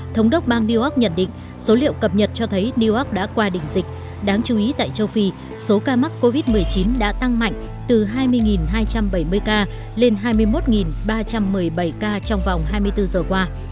thống đốc bang new york nhận định số liệu cập nhật cho thấy newark đã qua định dịch đáng chú ý tại châu phi số ca mắc covid một mươi chín đã tăng mạnh từ hai mươi hai trăm bảy mươi ca lên hai mươi một ba trăm một mươi bảy ca trong vòng hai mươi bốn giờ qua